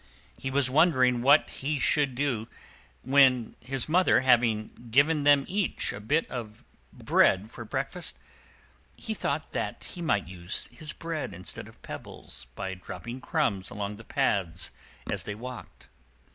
He was wondering what he should do, when, his mother having given them each a bit of bread for breakfast, he thought that he might use his bread instead of pebbles by dropping crumbs along the paths as they walked.